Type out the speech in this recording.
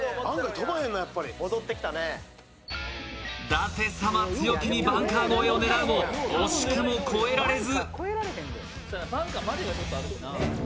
舘様、強気にバンカー越えを狙うが惜しくも越えられず。